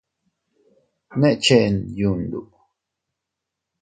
¿Ne chen yundu?